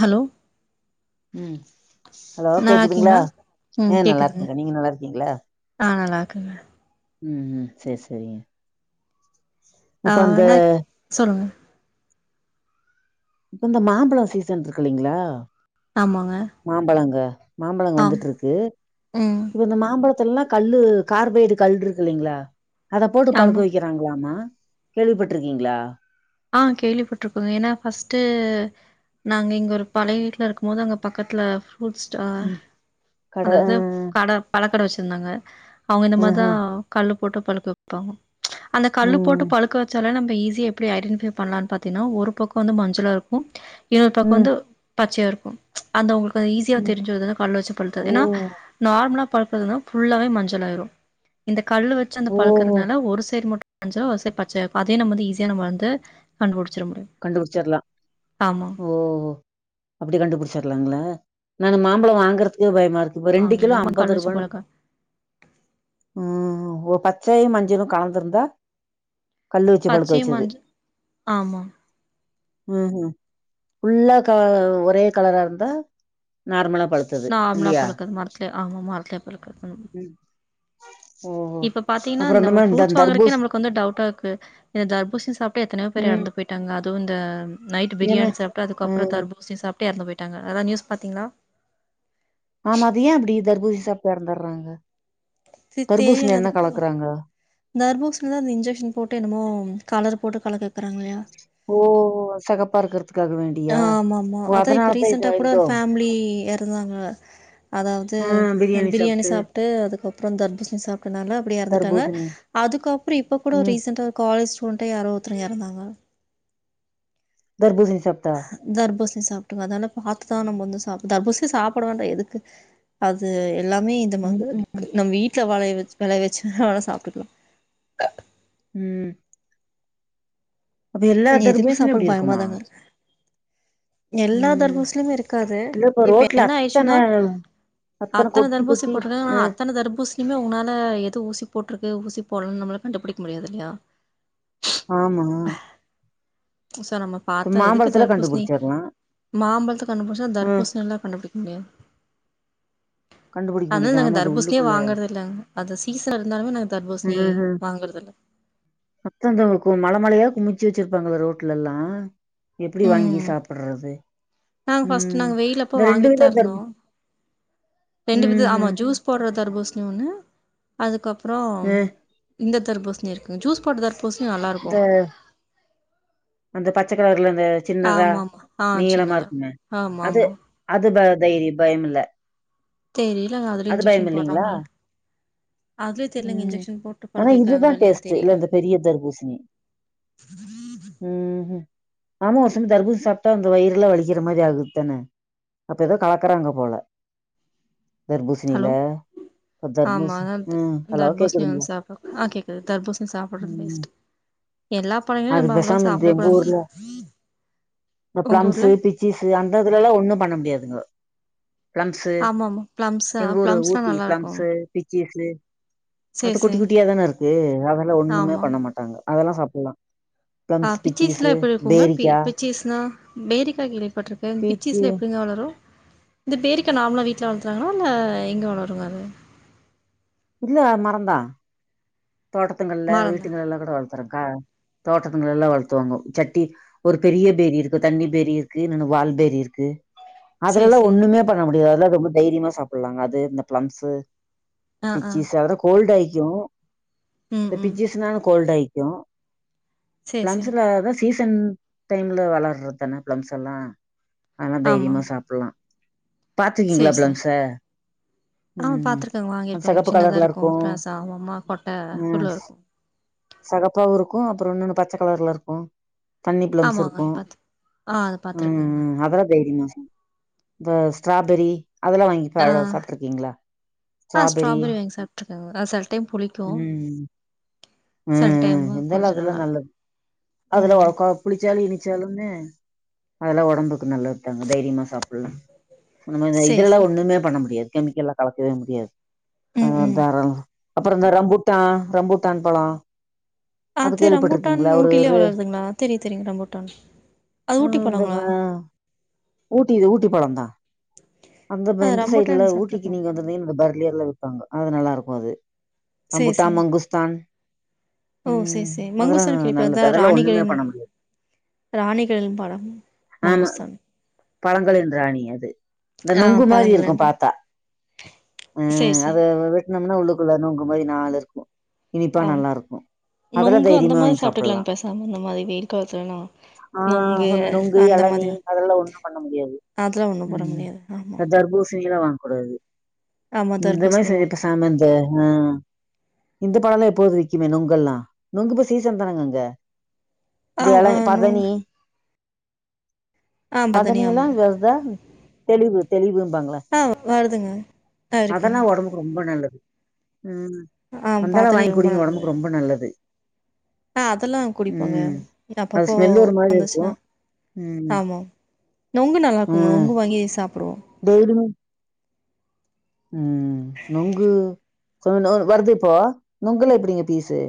Hello ம் hello நல்லா கேட்குதுங்ளா இருக்கீங்களா ம் அ கேக்குதுங்க நல்லாருக்கங்க நீங்க நல்லாருக்கீங்ளா ஆ நல்லாருக்கேங்க ம் ம் சேர் செரிங்க ஆ நாகி சொல்லுங்க இப்ப இந்த மாம்பழோ சீசன் இருக்கு இல்லலைங்ளா ஆமாங்க மாம்பழங்க மாம்பழங்க ஆம் வந்துட்டு இருக்கு ம் இப்ப இந்த மாம்பழத்த எல்லா கல்லு கார்பைடு கல் இருக்கு இல்லைங்ளா அத போட்டு ஆமா பழுக்க வெக்க வெங்கிறாங்ளாமா கேள்விப்பட்டு இருக்கீங்ளா ஆ கேள்விப்பட்டு இருக்கோங்க ஏன்னா ஃபர்ஸ்ட் நாங்க இங்க ஒரு பழைய வீட்ல இருக்கும் போது அங்க பக்கத்துல ஃப்ரூட்ஸ் ஆ ம் கட ஆ அதாவது கட பழக்கட வெச்சிருந்தாங்க அவங்க இந்த மாரிதா ஆஹா கல்லு போட்டு பழுக்க வேப்பாங்க அந்த கல்லு போட்டு ம் பழுக்க வெச்சாலே நம்ம ஈஸியா எப்டி ஐடென் பண்ணலான் பாத்தீங்கன்னா ஒரு பக்கோ வந்து மஞ்சளா இருக்கு இன்னொரு பக்கோ ம் வந்து பச்சையா இருக்கு அந்த உங்களுக்கு ஈஸியா ம் தெரிஞ்சது கல்லு வெச்சி பழுத்தது ஓ ஏன்னா நார்மலா பழுக்கறதுன்னா ஃபுல்லாவே மஞ்சளாயிரு இந்த கல் வெச்சி அந்த ஓஹோ பழுக்கறதுனால ஒரு சைடு மட்டு கொஞ்சோ ஒரு சைட் பச்சயா இருக்கு அதையும் நம்ம வந்து ஈஸியா நம்ம வந்து கண்டுபிடிச்சிட முடியும் கண்டுபிடிச்சிர்லா ஆமா ஓ ஓ அப்டி கண்டுபுடிச்சிர்லாங்ளா நானு மாம்பழோ வாங்கறதுக்கே பயமா இருக்கு இப்போ ரெண்டு கிலோ அங்க ஐம்பது கள்ளச்சு ரூபான் பழக்கம் ம் ஓ பச்சாயும் மஞ்சளும் கலந்திருந்தா கல்லு வச்சு பழுக்க பச்சையு வச்சது மஞ்சள் ஆமா ம் ம் ஃபுல்லா க ஒரே கலரா இருந்தா நார்மலா பழுத் நார்மலா பழுத்தது மரத்துலே ஆமா மரத்துலே பழுக்கறது ம். ஓஹோ இப்ப பாத்தீங்கன்னா அப்புறோ இந்த ந மாரி ஃப்ரூட்ஸ் வாங்குறக்கே தர்பூஸ் நமளுக்கு வந்து டவுட்டா இருக்கு இந்த தர்பூசணி சாப்டே எத்தனையோ பேர் ம் எறந்து போயிட் டாங்க அதுவு இந்த நைட் ஏன்னா பிரியாணி சாப்ட்டு ஆ அதுக்கப்றோ தர்பூசணி சாப்ட்டு எறந்து போயிட்டாங்க அதா நியூஸ் பாத்தீங்ளா ஆமா அது ஏயா அப்டி தர்பூஸ் சாப்ட்டு எறந்துட்றாங்க தர்பூசணி என்ன கலக்குறாங்க தர்பூசணில அந்த இன்ஜெக்ஷன் போட்டு என்னமோ கலர் போட்டு கலக்குறாங்கு இல்லையா ஓ செகப்ப இருக்கிறதுகாகவேண்டி ஆ ஆமா ஆமா அதா இப்ப ரீசென்டா கூட ஒரு ஃபேமிலி இருந்தாங்க அதாவது ஆ பிரியாணி சாப்ட்டு சாப் ட்டு அதுக்கப்பறோ தர்பூசணி சாப்டனாலே அப்படி இறந்துட்டாங்க தர்பூசணி அதுக்கப்பறோ இப்ப கூட ம் ரீசன்டா காலேஜ் ஸ்டுடென்ட்டு யாரோ ஒருத்தரு இறந்தாங்க தர்பூசனி சாப்ட்டா தர்பூசணி சாப்பிட்டமே அதனே பாத்துதா நம்ம வந்து சாப்டனு தர்பூசணி சாப்படுவேன்டா எதுக்கு அது எல்லாமே நம்ம ம் வந்து ம் வீட்டுல விளை விளை வச்சு வேனா சாப்பிட்டுக்கலா ம் அப்ப எல்லா எதுவுமே தர்பூசனியு சாப்பிட அப்புடி பயமா இருக்குமா தாங்க இருக்கு. எல்லா ம் தர்பூசனிலயுமே இருக்காது இல்ல இப்ப ரோட்ல என்ன அத்தன ஆயிடுச்சுன்னா அத்தன அத்தனை கொட்டி தர்பூசனி கொட்டி போட்டிருக்கங்கா அ அத்தனை தர்பூசனி இனிமே உங்களாலே எது ஊசி போட்டிருக்கு ஊசி போடலன்னு நம்மள கண்டுபிடிக்க முடியாது இல்லையா ஆமா புதுசா நம்ம இப்ப பாத்த எதுக்கு மாம்பழத்துல தர்பூசணி கண்டுபுடிச்சிர்லா மாம்பழத்த கண்டுபிடிச்சா ம் தர்பூசணி எல்லா கண்டுபிடி கண்டுபிடிக்க அத முடியுது நாங்க ஆமா அது தர்பூசனியே உள்ளுக்குள்ள வாங்குறது இல்லங்க அது சீசன் இருந்தாலுமே நாங்க ம் தர்பூசணி ம் வாங்கறது இல்ல [unintelligible] மல மலையா குமிச்சு வச்சிருப்பாங்கள ரோட்ல எல்லா எப்டி வாங்கி ம் சாப்புற்றது நாங்க பஸ்ட் நாங்க வெயிலப்ப வித வாங்கிதயிருந்தோ தர்பு ரெண்டு விது ம் ஆமா ம் ஜூஸ் போடுற தர்பூசணி ஒன்னு அதுக்கப்றோ அ இந்த தர்பூசணி இருக்கு ஜூஸ் போடுற தர்பூ சனி நல்லா இருக்கு இந்த அந்த பச்சக்கலறுல அந்த சின்னதா ஆமாமா ஆ நீளமா சின்னதா இருக்குமே அது ஆமாமா அது ப தைரி பயம் இல்ல தெரியலங்க அதுல அது பயம் இன்ஜெக்ஷன் இல்லைங்களா போடுறாங்களானு ம் ஆனா இதுதா கேக்குறாங்களா இல்லையான்னு டேஸ்ட்டு தெரில இல்ல இந்த பெரிய தர்பூசணி ம் ம் ஆமா ஒரு சமயோ தர்பூஸ் சாப்டா அந்த வயிறுலா வலிக்கிற மாரி ஆகுதுதானே அப்ப ஏதோ கலக்குறாங்க போல தர்பூசிணில ஹலோ அப்ப ஆமா தர்பூஸ் அதான் ம் ஹலோ தர்பூசணி கேக்குதுங்களா வந்து சாப்டா ஆ கேக்குது தர்பூசணி சாப்புற்றது வேஸ்ட் எல்லா பழங்களையு அதுக்கு நம்ம அவ்ளோ பேசாம எங்க சாப்டவே கூடாதுக்கா ஊர்ல இந்த உங்க ஊர்ல பிளம்ஸ்சு சீஸ் அந்த இதுலைல ஒண்ணு பண்ண முடியாதுங்க பிளம்ஸு ஆமா ஆமா பிளம்ஸா எங்க ஊரு பிளம்ஸ்லா ஊட்டி நல்லா இருக்கு பிளம்ஸு பிச்சிஸ்ஸு சேரி அது குட்டி சேரி குட்டியா தானே இருக்கு அதெல்லா ஒண்ணுமே ஆமா பண்ண மாட்டாங்க அதெல்லா சாப்பிடலா ஆ பிச்சீஸ்லா எப்டி இருக்குங்க பி பேரிக்கா பிச்சீஸ்னா பேரிக்கா கேள்விப்பட்டிருக்கே பீச்சு பிச்சீஸ்லா எப்டிங்க வளரு இந்த பேரிக்கா நார்மல்லா வீட்ல வளக்குறாங்களா இல்ல எங்க வளருங்க அது இல்ல அது மரம்தா தோட்டத்துங்கள்ல மரந்தா வீட்டுங்கல்ல கூட வளர்த்துற்கா தோட்டத்துங்கள வளத்துவாங்கே சட்டி ஒரு பெரிய பேரி இருக்கு தண்ணி பேரி இருக்கு இன்னொன்னு வால் பேரி இருக்கு சேரி அதுலல்லா சேரி ஒண்ணுமே பண்ண முடியாது அதெல்லா ரொம்ப தைரியமா சாப்பிடலாங்க அது இந்த பிளம்ஸு ஆ ஆ பிச்சீஸ் அதுலா கோல்ட் ஆயிக்கு ம் இந்த ம் பிச்சிஸ்னால கோல்ட் ஆயிக்கு சேரி சேரி பிளம்ஸ்ல சீசன் டைம்ல வளர்றது தான ப்ளம்ஸ் எல்லா ஆனா ஆமா. தைரியமா சாப்பிட்லா பாத்துக்கீங்களா சரி, சரி. ப்ளம்ஸ ஆ ம் பாத்துருக்கேங்க. ம் வாங்கியிருக்கோங்க. செகப்பு சின்னதா இருக்கும். கலர்லருக்கு பிராசா ஆமாமா. கொட்ட உள்ள ம் இருக்கும். செகப்பாவுருக்கு அப்றோ இன்னொன்னு பச்ச கலர்லருக்கு தண்ணி ப்ளம்ஸ் ஆமாங்க. இருக்கு பாத்து ஆ அது ம் பாத்துருக்கேங்க. ம் அதெல்லா தைரியமா சா இந்த ஸ்ட்ராபெரி அதெல்லா வாங்கி ஆ, பழோ சாப்ட்டுருக்கீங்களா ஸ்ட்ராபெரி அ அது சில டைம் புளிக் ம் ம் ம் ம் டைமு இருந்தாலு கொஞ்சம் அதெல்லா நல்லாருக்கும். நல்லது அதெல்லா ம். உக்கா புளிச்சாலு இனிச்சாலுமே அதெல்லா உடம்புக்கு நல்லது தாங்க தைரியமா சாப்பிட்லா நம்ம சரி, இதெல்லா சரி. ஒண்ணுமே பண்ண முடியாது கெமிக்கல்லா கலக்கவே முடியாது அ ம், ம். தாராள அப்றோ இந்த ரம்புட்டா ரம்புட்டான் பழோ அது ரம்புட்டான் ஊட்டிலே ஒரு வளர்துங்களா தெரியு தெரியுங்க ரம்புட்டான் ம் இந்த அ ஊட்டி ஊட்டி பழோந் தா அந்த ஆ எந்த சைடுல ரம்பூட்டான் ஊட்டிக்கு சாப்ட்டுருக்கோம். நீங்க வந்திர்தீங் பர்லியர்ல விப்பாங்க அது நல்லாருக்கு அது சரி, ரம்புட்டான் சரி. மங்குஸ்தான் ஓ! சரி, ம் சரி. அதெல்லா மங்குஸ்தான் கேள்விப்பட் நல்லது அதான் அதெல்லா ஒண்ணுமே ராணிகளின் பண்ண முடியாது ராணிகளின் பழம் ஆமா. மங்குஸ்தான் பழங்களின் ராணி அது இந்த ஆ நுங்கு பழங்கள் மாரிருக்கு என்று. பாத்தா சரி, ம் சரி. அததது தின்னோம்னா உள்ளுக்குள்ள நொங்கு மாரி நாலுருக்கு இனிப்பா ஆம் நல்லாருக்கு நொங்கு அந்த மாரி சாப்ட்டுக்கலாங்க பேசாம இந்த மாரி வெயில் காலத்துலல்லா ஆ நொங்கு சொன்ன நொங்கு, அந்த இளநீ மாதிரி அதெல்லாம் ஒண்ணும் பண்ண அதெல்லா ஒண்ணு போட முடியாது ஆமா தர்பூசணியெல்லா வாங்க கூடாது ஆமா இந்த மாதிரி தர்பூசணி செஞ்சிப் வாங்கக்கூடாது பேசாம இந்த ஆ இந்த பழமே எப்போது விக்குமே நொங்கெல்லா நொங்க இப்போ சீசன் தானங்க அங்க ஆ ஆ இளநீ நொங்கு பதனீ ஆ பதனி எல்லா ஆமா விச்தா தெளிவு தெளிவுன்பாங்கள ஆ வருதுங்க ஆ இருக்குங்க உடம்புக்கு ரொம்ப நல்லது ம் ஆ வந்தாளு பதனி வாங்கி ரொம்ப குடிங்க நல்லது உடம்புக்கு ரொம்ப நல்லது ஆ அதெல்லா குடிப்போங்க ம் அது அப்பப்போ ஸ்மெல் ஒரு மாரி வந்துச்சுனா இருக்கும். ம் ஆமா நொங்கு நல்லாருக்குங்க நொங்கு வாங்கி சாப்பிடுவோ வெயிலுங்க ம் நொங்கு சொ நொ வருது இப்போ நொங்குல்லா எப்டிங்க பீஸு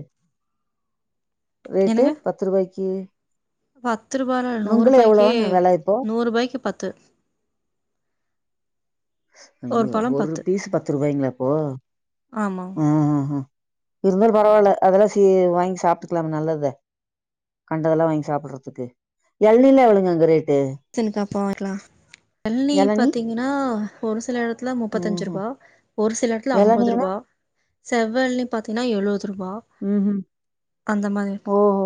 ரேட்டு என்னங்க பத்து ரூபாய்க்கி பத்து ரூபாலால்ல நூறு ரூபாய்க்கு எவ்ளோன்னு வெல இப்போ நூறு ரூபாய்க்கு பத் து ஐயோ ஒரு பீஸ் பத்து ரூபாய்ங்களா அப்போ ஆமா ஆ இருந்தாலு பரவால்ல அதெல்லா சி வாங்கி சாப்ட்டுக்கலாம் நல்லதுதா கண்டதெல்லா வாங்கி சாப்டுறதுக்கு எளநீலா எவ்ளோவ்ங்க அங்க ரேட்டு சீசனுக்கு அப்போ வாங்கிக்கலா இளநீ எளநீ பாத்தீங்கனா ஒரு சில இடத்துல முப்பத்தஞ்சு ம்ஹ்ம் ரூபா ஒரு சில இடத்துல ஐம்பது எளநீனா ரூபா செவ்வெளநீ பாத்தீங்கனா எழுவது ரூபா ம் ஹும் அந்த மாரி இருக்கு ஓஹோ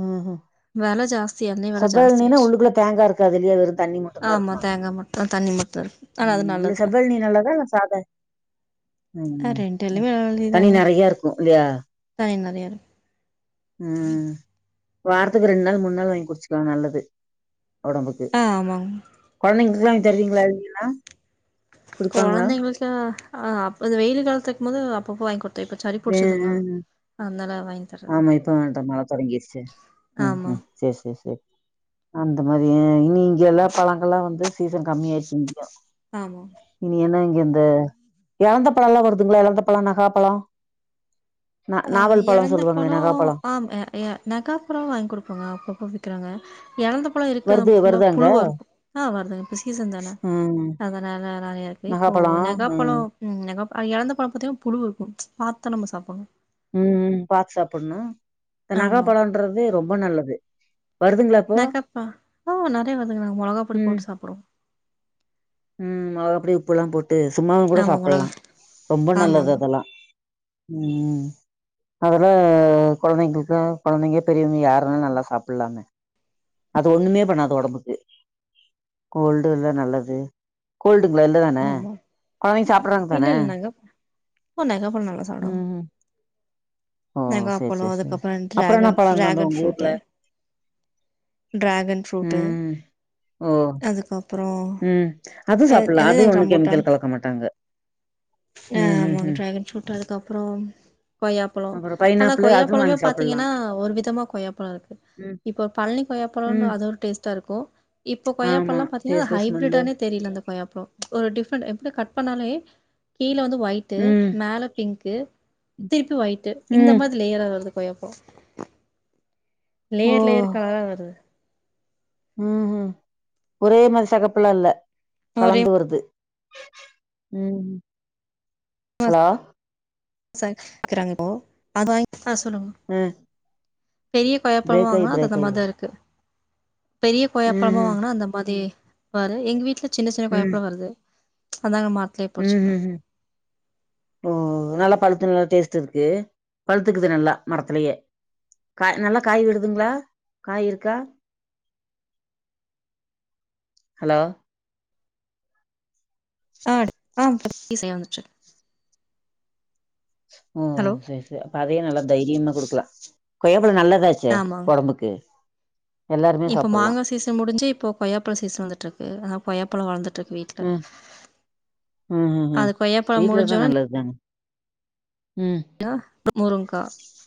உ ஹும் வெல ஜாஸ்தி இளநீ வெல ஜாஸ்தி செவ்வெளநீனா ஆயிடுச்சு உள்ளுக்குள்ள தேங்காய் இருக்காதுலயே வெறு தண்ணி மட்டுதா ஆமா இருக்குமா தேங்கா மட்டு தண்ணி மட்டு இருக்கு ஆனா அது ம் நல்லது செவ்வெளநீ நல்லதா இல்ல சாதா எ ஆ ஆமா அ ரெண்டுலயுமே தண்ணி நல்லதுதாங்க நெறைய இருக்கு இல்லையா தண்ணி நெறைய ம் வாரத்துக்கு ரெண்டு நாள் மூணு நாள் வாங்கி குடிச்சுக்கலா நல்லது ஒடம்புக்கு ஆ ஆமாங்க கொழந்தைங்களுக்கு எல்லா வாங்கி தருவீங்களா எளநீ எல்லா கொழந்தைங்களுக்கு அ அப்ப வெயில் காலத்து இருக்கும் போது அப்பப்ப வாங்கி குட் ம் வாங்கி தர்றதுல்ல ஆமா இப்ப ம மழை தொடங்கிடுச்சு ஆமா ம்ஹூம் ம் செரி செரி செரி அந்த மாதிரி அ இனி இங்க எல்லா பழங்கள்ல்லா வந்து சீசன் கம்மிய ஆயிடுச்சு இங்க ஆமா இனி என்ன இங்க இந்த எலந்த பழல்லாம் வருதுங்களா எலந்த பழோ நவாப்பழோ அ எழந்த சொல்லுவாங்களே பழோ நகாப்பழம் ஆ அ அ நகாப் பழோ வாங்கி குடுப்பாங்க அப்பப்ப விக்கறாங்க எலந்த பழோ இருக்க வருது ஃபுல்லா வருது அங்க புழுவா இருக்கு ஆ வருதுங்க இப்ப சீசன் தானே ம் அதனால நெறைய இருக்கு இப்போ நகாப்பழோ ம் நெகாப்பழோ ம் நெகப்ப அ எலந்த பழ பாத்திங்கன்ன புழு இருக்கு பாத்தா நம்ம சாப்புடணு ம் ம் பாத்து சாப்பிடணு இந்த ஆமா நவாப்பழோன்றது ரொம்ப நல்லது வருதுங்களா இப்போ நக்கப்பா ஓ நெறைய வருதுங்க நாங்க மொளகாப் பொடி ம் போட்டு சாப்புடுவோ ம் மொளகாய் பொடி உப்பு எல்லா போட்டு சும்மாவு கூட ஆமா மொளகா சாப்பிடலா ரொம்ப நல்லது ஆமாங்க அதெல்லா ம் ம் அதுல கொழந்தைங்களுக்கு கொழந்தைங்க பெரியவங்க யாரு வேணா நல்லா சாப்பிடலமே அது ஒண்ணுமே பண்ணாது ஒடம்புக்கு கோல்டு இல்ல நல்லது கோல்டுங்களா இல்ல தானே ஆமா கொழந்தைங்க சாப்பிடறாங்க இல்ல தானே இல்ல நெகா ஓ நெகாப்பழோ நல்லா சாப்டுவாங் ம் ஓ சேரி நெகாப்பழோ சேரி சேரி அதுக்கப்புற அப்புறோ என்ன டிராகன் பழங்க அந்த டிராகன் உங்க ஊர்ல ஃப்ரூட்டு் டிராகன் ஃப்ரூட்டு் ம் ஓ அதுக்கப்புறோ ம் அது எ சாப்பிடல எது அதுவு ஒண்ணு ரம்புட்டான் கெமிக்கல் கலக்க மாட்டாங்க ஆ ம் ம் ஆமாங்க ம் ட்ராகன் ஃப்ரூட் அதுக்கப்புறோம் கொய்யாப்பழோ அப்புறோ ஆனா பைனாப்பிள் அதுவு கொய்யாப்பழமே வாங்கி சாப்புட்லா பாத்தீங்கன்னா ஒரு விதமா கொய்யாப்பழோ இருக்கு ம் இப்ப பழனி கொய்யாப்பழனு ம் அது டேஸ்ட்டா இருக்கு இப்போ ஆமா கொய்யாப்பழல்லா பாத்தீங்கன்னா அது டேஸ்ட்டு ஸ்மெல்லு ஹைப்ரிட்டானே தெரியில அந்த கொய்யாப்பழோ ஒரு டி்ஃப்ரென்ட் எப்டி கட் பண்ணாலே கீழே வந்து ஒயிட் டு ம் மேல பிங்க்கு திருப்பி ஒய்ட்டு் இந்த ம் மாரி லேயரா வருது கொய்யாப்பழோ ஓ லேயர் லேயர் கலரா வருது ம்ஹூம் ஒரே மாரி செகப்புல்லா இல்ல ஒரே கலந்து வருது ம் ம் ஹலோ ச க்கிறாங்க இப்போ அது வாங்கி ஆ சொல்லுங்க அ பெரிய கொய்யாப்பழமா வாங்குனா அது பிரேக் அந்த ஆயி மாரிதா இருக்கு பெரிய ம் கொய்யாப்பழமா ம் வாங்கினா அந்த மாத் மாதி பாரு எங்க வீட்டுல சின்ன சின்ன ம் கொய்யாப்பழோ வருது அதாங்க மரத் ம் ஹூம் ம் ஓ நல்லா பழுத்து நல்லா டேஸ்ட் இருக்கு பழுத்துக்குது நல்லா மரத்துலயே கா நல்லா காய் விடுதுங்களா காய் இருக்கா ஹலோ ஆ ஆ [unintelligible] செய்ய வந்துடுச்சு ம் ஹலோ செரி செரி அப்ப அதே நல்லா தைரியமா குடுக்கலா கொய்யப்பழோ நல்லதாச் சே ஆமாங்க ஒடம்புக்கு எல்லாருமே இப்போ சாப்புட்லா மாங்கா சீசன் முடிஞ்சு இப்போ கொய்யாப்பழ சீசன் வந்துட்டுருக்கு அதா கொய்யாப்பழோ வளந்துட்டு இருக்கு வீட் ஆ ஆ ஆ அது கொய்யாப்பழோ வீட்ல இருந்தா முடிஞ்சோன நல்லத் தானே ம் கா [unintelligible] முருங்க்கா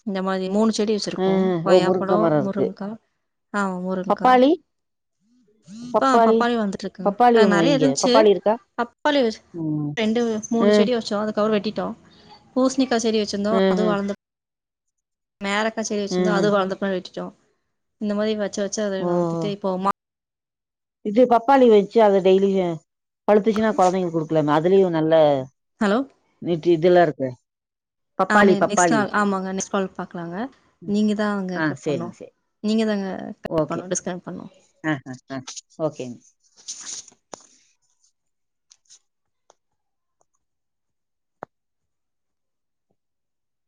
இந்த மாரி மூணு செடி வச் அ சுருக்கோ ஓ முருங்க கொய்யாப்பழோ மரோ இருக்கு முருங்க்கா ஆமா முருங்க்கா பப்பாளி ஆ பப்பாளி வந்துட்டு இருக்குங்க பப்பாளி அ ஒண்ணு நறைய வைங்க இருந்ச்சு பப்பாளி இருக்கா பப்பாளி வச் ம் ரெண்டு மூனு ம் செடி வச்சோ அதுக்கப்றோ வெட்டிட்டோ பூச்ணிக்கா செ டி வச்சுருந்தோ ம் அது ம் வளர்ந்த மேலக்கா செடி வச்ருந்தோ ம் அது வளந்தப்றோ வெட்டிட்டோ இந்த மாரி வச்சு வச்சு அத ஓ வளர்த்துட்டு இப்போ மா இது பப்பாளி வச்சு அத டெய்லியு பழுத்துச்சுன்னா கொழந்தைங்களுக் குடுக்லாமா அதுலயு நல்ல ஹலோ நீட்டு இதெல்லா இருக்கு பப்பாளி ஆமே நெக்ஸ்ட் பப்பாளி ஆள் ஆமாங்க நெக்ஸ்ட் கால் பாக்லாங்க ம். நீங்கதா அங்க ஆ கட் பண்ணு சேரிங்க சேரி நீங்க தாங்க கட் ஓகே பண்ணு டிஸ்கனெக்ட் பண்ணு ஆ ஆ ஆ ஓகேங்